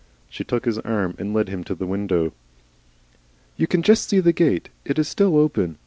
She took his arm and led him to the window. "You can just see the gate. It is still open.